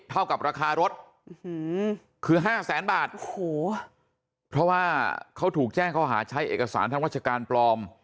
เท่ากับราคารถคือห้าแสนบาทโอ้โหเพราะว่าเขาถูกแจ้งเขาหาใช้เอกสารทางราชการปลอม